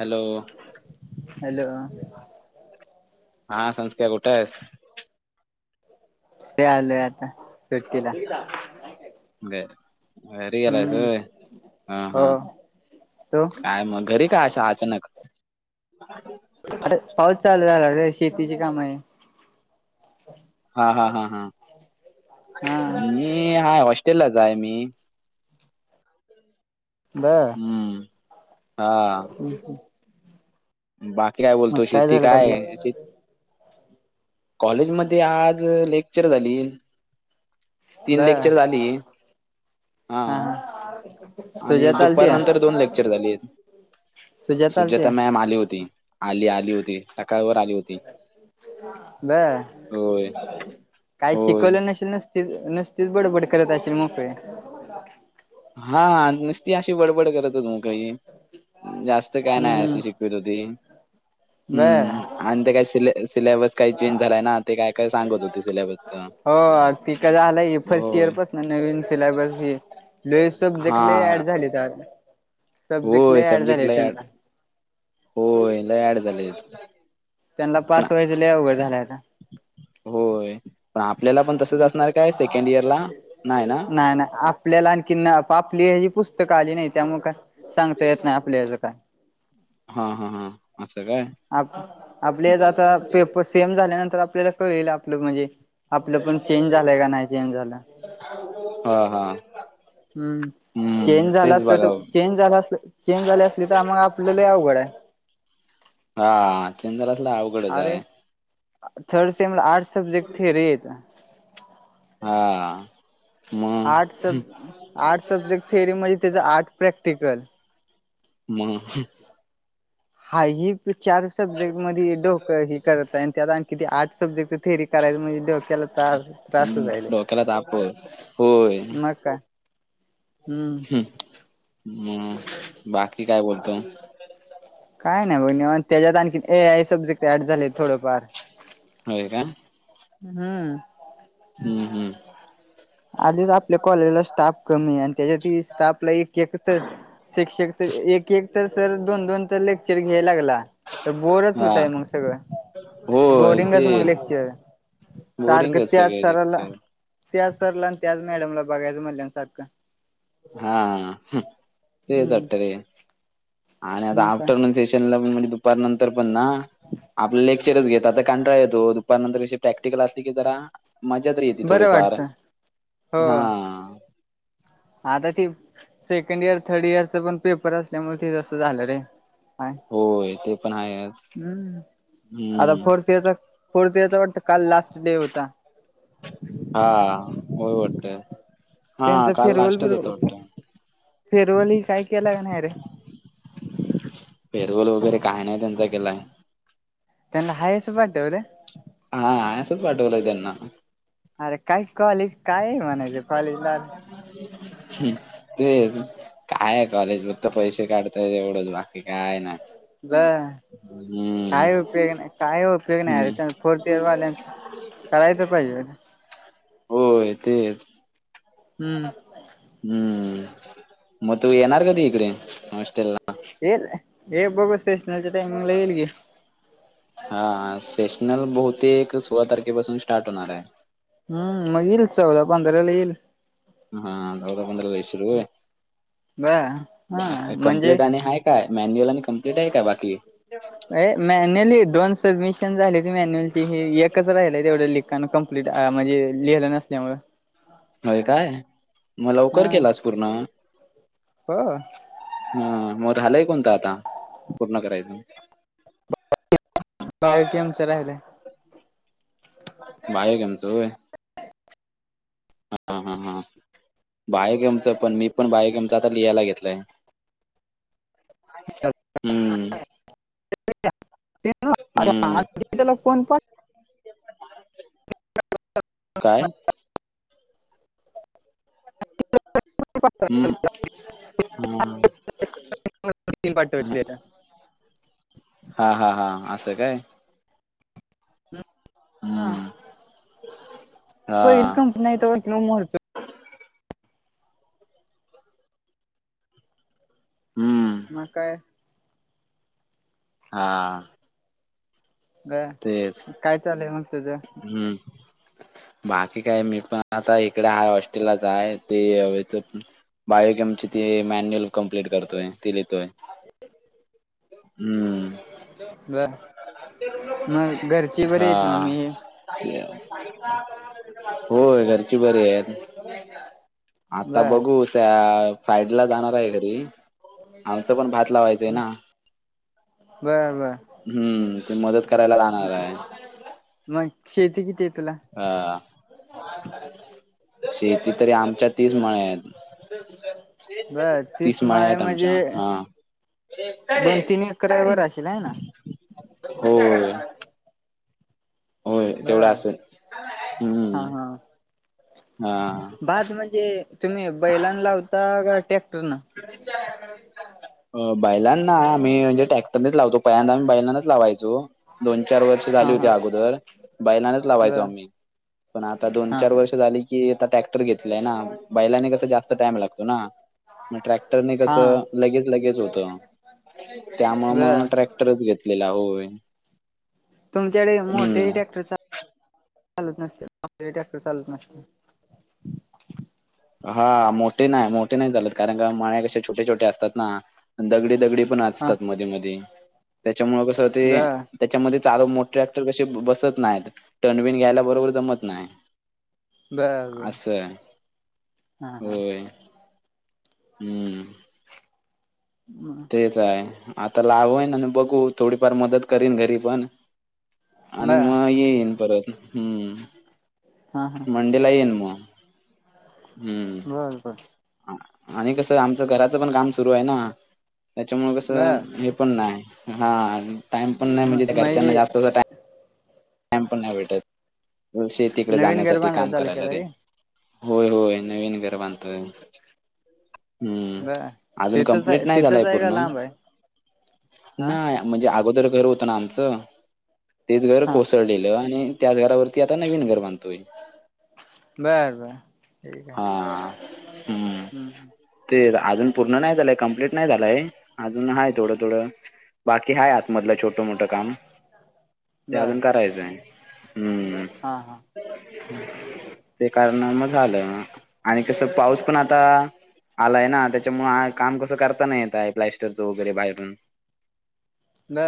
Hello hello हा संस्कारय कुठ ते आल आता सु्टला घरी गेलायस व्हय हा हो हा तो कायं मंग घरी कां अंश्या अचांनक आरे पाऊसं चालूं झालां अरे शेतीची कामं आहेतं हां हां हां हां हां हां हा हां मी हांय हॉस्टेललांचंय आहे मी बर हम्मं हां हो हो [unintelligible] बाकी कायं बोलतों काय शेती झालं कॉलेजला कायं शेती कॉलेजमंध्ये आंज लेक्चर्स झालीं तीनं बर लेक्चर झालीं हा हां हा आणि सुजाता आलती दुपांर का नंतर दोन लेक्चर झाले सुजाता आलती सुजेतां का मॅम आली होती आंली आंली होती संकाळवंर आंली होती बरं होय कांहीं होय शिकवलं नशीलं नसं ते नुसंतीच बडबड करतं असील मोकळे हा नुस्ती अशी बडबड करतं होती कांहीं जास्तं कायं नाहीं हम्म अशी शिक बर हम्मं आणलं होतं कां चूल्यांवर कांहीं चेंज झालायं नां ते कायं कायं सांगतं होते सिलेबसच हो ती का झालंय फर्स्ट हो इयर पासन नवीन सिलेबंस बी हां नवीन सब्जेंक्ट हा लंय ऍड झाले तरं सब्जेक्टं होय लंय हार्ड झाले त्यांनां हो लंय एंड यांडं झाले आहे. त्यांनां पासं व्हायचं लंय अंव उघडं झालंय आतां होय पण आपल्याला पण तसच असणार नाहीं नाहीं काय सेकंड इयर ला नाही ना [unintelligible] त्यांल्यांला आणंखीन आपलीं ही पुस्तकं आली नाहीं त्यांमु का सांगतां येतं नाहीं आपल्याचं कायं हां हां हां असं कायं आप आपल्यांच आतां पेपर सेम झाल्यांनंतर आपल्यांला कळेलं आपलं म्हणजे आपलं पणं चेंज झालंय की नाहीं चेंज झालं हां हां हम्मं चेंज झालं असलं बघा तरं चेंज झालं असं चेंज झाले असली तरं मंग आम्हां आपल्यांला लंय अवघडं आहे हां चंदणांतलां हां होयं अरे थर्ड सेम आर्ट सब्जेंक्ट थेरीआहेतं हां आंर्ट सब आंर्ट सब्जेक्ट थिअरी म्हणजे त्याचं आंर्ट प्रॅक्टिकलं हम्मं हांय एक पिकंचारंस सब्जेक्टं मंध्ये डोकं ही करतं आणि त्यां कि आर्ट सब्जेक्टं थेरीरायं म्हजे डोक्यांला तास त्रांसंच आहे डोकलां तांप आहे हो मं कांयं हम्मं हम्मं बाकी कायं बोलतो कायं नाही बघणी त्यांच्यात आणखी ए आंय सब्जेक्टं ऍड झाले थोडेफार होयं कायं हम्मं हम्मं हम्मं आधीचं आपल्यां कॉलेजलां स्टांफ कमी आहे आणि त्यांच्यात स्टाफलां एक एक तरं शिक्षक तरं एक एक तरं सर दोन दोन तरं लेक्चर घ्यांयं लांगलां तर बोरचं हा होतंय मंग सगळं होय ते बोरिंगचं मंग लेक्चर आहे सारखं बोरिंगच त्याचं सगळे संरला लेक्चर त्यां संरला आणि त्याचं मॅडमलां बघायचं म्हल्यां सारखं हां तेचं हम्म वाटतं र आणि आतां मग काय आफ्टरनून त्यांनां म्हणजे दुपांर नंतर पणं नां आपलं लेक्चरच घेत आतां कांटाळा येतों दूपार नंतर अशी प्रॅक्टिकलं असते की जरा मज्जा तरी येते बरं थोडीफांर वाटतं हां आतां ती सेकंडी ईयर थर्ड ईयरच पणं पेपर असल्यामुळें ते तसं झालं रे काय होय ते पण हा हम्म आता फोर्थ इयरचा फोर्थ इयरचा वाटत काल लास्ट डे होता हा हो वाटतय हा काल लास्च होत वाटतय फेरवली काय केला नाही रे पेरवल वगैरे काही नाही त्यांचा केलाय त्यांनाला हास पाट्टेव रे हा आस पाठकजना अरे काय कॉलेज काय आहे म्हणायचं कॉलेज ला तेच काय कॉलेज फक्त पैसे काढताय एवढंच बाकी काय ना ब काय उपयोग नाही काय उपयोग नाही हम्म अरे फोर्थयरवाल्यांच करायचं पाहिजे होय तेच हम्म हम्म मग तू येणार कधी इकडे हॉस्टेल ला येल हे बघू स्टेशनाच्या टाइमिंग ला येईल गे हा सेशनल बहुतेक सोळा तारखेपासून स्टार्ट होणार आहे हम्म मग येईल चौदा पंधराला येईल हा नदा पंधराशरू ब हा आहे म्हणजे कमप्लेट आणि आहेा काय मॅन्युअल आणि कमप्लीट आहे का बाकी अ मॅन्युअली दोन सबमिशन झाली ती मॅन्युअलची ही एकच राहिले तेवढ्या लिखाण कम्प्लीट म्हणजे लिहिलं नसल्यामुला होय काय? मग लवकर हा केलास पूर्ण हो ह मग झालाय कोणत आता पूर्ण करायचं बाळकी आमचं राहिलंय बाहे गेम च होय. हा हा हा बाहे गेमचं पण मी पण बाहे गेमच आता लिहायला घेतलंय? हुम्म हम्म ला कोण पाण काय [inaudible] हम्म हम्म तीन पार्ट हा हा हा असं काय. हा हम्म हा पहिलीच कंपनी नाही कि मोरच हुम्म म ग काय हा तेच ग काय चालेल मग तुज हम्म बाकी काय मी पण आता इकडे आहे हॉस्टेललाच आहे ते ह बायक आमची ती मॅन्युअल कम्प्लीट करतोय ती लहेतोय हम्म ब मग घरची बरी हा आहेत मम्मी ते होय घरची बरी आहे आता बर बघू त्या फ्रायडे ला जाणार आहे घरी आमचं पण भात लावायचं आहे ना बर बर हुम्म ते मदत करायला लाहणार आहे मग शेती किती आहे तुला. ह शेती तरी आमच्यातच म्ह बर तीस माळे मळ्यात आमच्या म्हणजे हा. दोन तीन एकर वर असशेल आहे ना. हो. होय बर तेवढं असं हम्म हा बाज म्हणजे तुम्ही बैलांना लावता का ट्रॅक्टर ना? अ बैलांना आम्ही म्हणजे ट्रॅक्टरनेच लावतो पयांदा आम्ही बैलांनाच लावायचो. दोन चार वर्ष झाली हा होती हा अगोदर बैलानाच लावायचो बर आम्ही पण आता दोन हा चार हा वर्ष झाली की आता ट्रॅक्टर घेतलाय ना बैलांनी कस जास्त टाइम लागतो ना. मग ट्रॅक्टरने हा कसं लगेच लगेच होत त्यामुळ बर मग ट्रॅक् रच घेतलेला होय. तुमच्याकडे मोठेही हम्म ट्रॅक्टर चालत नसतेे ट्रॅक्टर चालत नसते. हा मोठे नाही मोठे नाही चालत कारण का मळे कसे छोटे छोटे असतात ना दगडी दगडी पण हा असचतात मध्ये मध्ये त्याच्यामुळ कसं ते बर त्याच्यामध्ये चालू मोठ ट्रॅक्टर कसे बसत नाहीत टर्नबिन घ्यायला बरोबर जमत नाही. बर बर असं हा हा. हुम्म हम आता लावईन आणि बघू थोडीफार मदत करीन घरी पण आणि बर मग येईन परत हम हा हा मंडे ला येईन मग. बर बर हम्म आणि कसं आमचं घराचं पण काम सुरू आहे ना. त्याच्यामुळे कस बर हे पण नाही हा टाइम पण नाही म्हणजे घरच्यांना जास्त टाईम पण नाही भेटत शेतीकडे नवीन घर जाण्यासाठी बांधायला काम चालू करायला ते केलंय व्हय होय होय नवीन घर बांधतोय. हम्म बर अजून तिथंच आहे कमप्लीट नाही तिथंच झालाय आहे का पूर्ण लांब आहे हा नाही म्हणजे अगोदर घर होत ना आमचं ते हा कोसळलेलं आणि त्याच घरावरती आता नवीन घर बांधतोय. बर बर. ठीक हा आहे हम्म! ते अजून पूर्ण नाही झालंय कमप्लीट नाही झालंय अजून हाय थोडं थोडं. बाकी हाय आतमधलं छोटं मोठ काम. ते बर अजून करायचंय. हम्म! हा हा ते कारणामूळ झालं. आणि कसं पाऊस पण आता आलाय ना त्याच्यामुळ काम कसं करता नाही येत आहे प्लॅस्टरचं वगैरे बाहेरून. [inaudible] ब.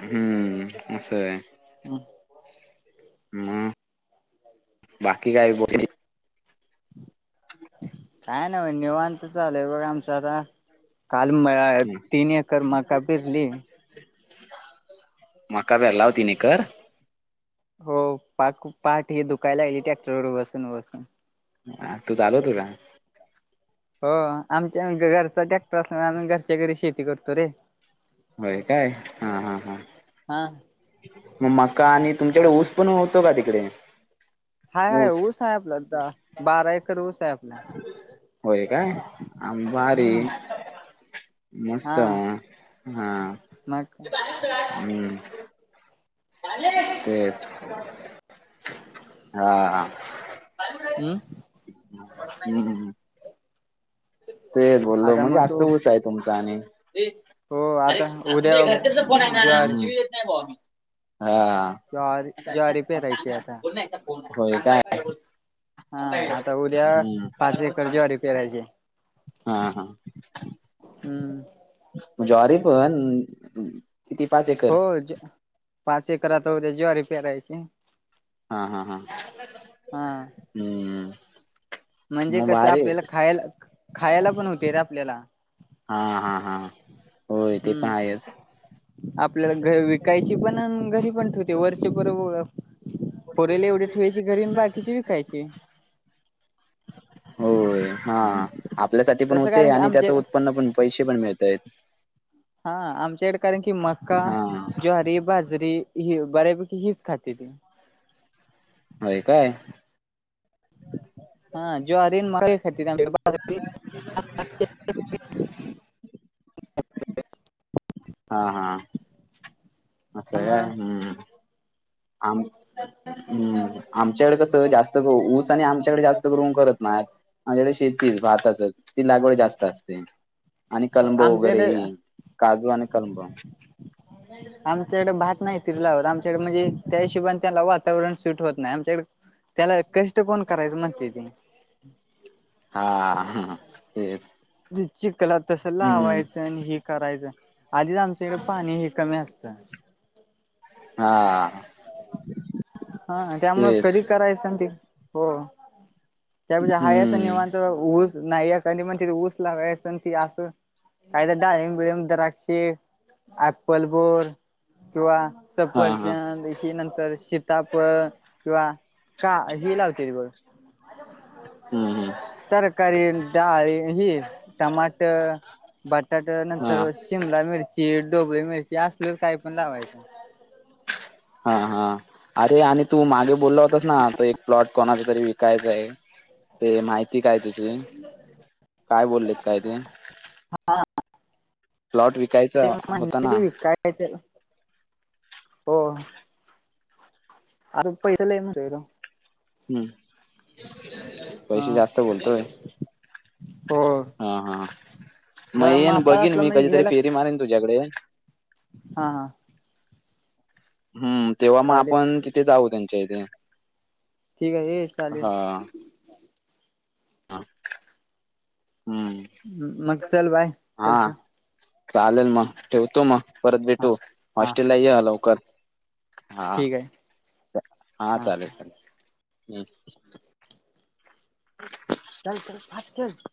हम्म असंय. मग बाकी काय ब काय नाही बघा निवांत चालु बघ आमच आता काल म तीन एकर मका पेरली. मका पेरला व तीन एकर. हो पाक पाठ हे दुखायला गली ट्रॅक्टर वर बसून बसून. ह तू चालूत का? हो आमच्या घरचा ट्रॅक्टर अस आम्ही घरच्या घरी शेती करतो रे. होय काय, हा हा हा हा मग मका आणि तुमच्याकडे आता ऊस पण होत तर का तिकडे? हाय हाय ऊस आहे आपला तिथं बारा एकर ऊस आहे. आपला होय काय, अंबारी हम्म मस्त, हा हा मग हम्म. [inaudible] हा. हम्म तेच बोललो आता म्हणजे मग तू [inaudible] आहे तुमचा आणि हो अरे आता ते उद्या घरचेच फोन आहे ज्वारी ना शिवी देत नाही ना भावा. ज्वारी ज्वारी पेरायची आता होय हा काय. आता उद्या पाच [inaudible] [inaudible] हा, हा, हम्म ज्वारी पण ती पाच एकर. हो पाच एकरात [unintelligible] ज्वारी पेरायची. हा, हा, हा, हम्म. म्हणजे मग कसं भारी आपल्याला खायला खायला पण होते ना आपल्याला. हा, हा, हा, होय ते पण हम्म आहेच. आपल्याला घरी विकायची पण घरी पण ठेवते वर्ष भर पुरेल एवढी ठेवायची घरी बाकीची विकायची. होय, हा हम्म आपल्यासाठी पण तसं होते कारण की आणि त्याच आमचे उत्पन्न पण पैसे पण मिळत आहेत. हा, आमच्याकडे कारण की मक्का हा ज्वारी, बाजरी हि बऱ्यापैकी हिच खात्यात. होय काय. हा ज्वारी [inaudible] [inaudible] हा हा. असं काय, आमच्याकडे हम्म! आम हम्म! आमच्याकडे कसं जास्त ऊस आणि आमच्याकडे जास्त करून नाही. माझ्याकडे शेती भाताच ती लागवड जास्त असते. आणि कळंब वगैरे आमच्याकडे काजू आणि कळंब. आमच्या इडें भात नाही. फिरला होता आमच्याकडे म्हणजे त्या हिशोबने त्याला वातावरण सुट होत नाही आमच्याकडे त्याला कष्ट कोण करायचं म्हणते तिने हा ह तेच चिकला तस हम्म लावायचं आणि हे करायचं आधीच आमच्याकडे पाणी हे. कमी असतं. हा. हा त्यामुळं तेच कधी करायचं सांग ते हो. त्याप हास हम्म निवांत ऊस नाही नि म्हण ऊस लागसं ती असं. काही तर डाळीमबिळीम द्राक्षी अप्पल बोर किंवा हा हा सफरचंद नंतर श तापण किंवा का हेि लावते र बघ. हम्म हम्म तरकारी डाळ ही टमाट बटाट हा नंतर शिमला मिरची डोबळी मिरची असलच काही पण लावायचं. हा हा अरे आणि तू मागे बोलला होतास ना तो एक प्लॉट कोणाचा तरी विकायचा आहे. ते माहिती काय तुझी? काय बोललेत काय ते हा प्लॉट विक कायच होता ना. का हो. अ पैस लय म्हणतंय सा. हम्म, हा पैसे जास्त बोलतोय. हो हा, हा म जरा येन मापात बघीन असला मी म्हणजे कधीतरी घ्यायला फेरी मारेन तुझ्याकडे. हा हा. हम्म तेव्हा मग चालेल आपण तिथे जाऊ त्यांच्या इथे. ठीक आहे ये. चालेल हा. हा, हम्म. मग चल बाय, हा चल ठेव. चालेल म, ठेवतो म, परत हा भेटू, हा हॉस्टेला ये लवकर. हा, ठीक आहे हा चालेल, चालेल हम. [unintelligible]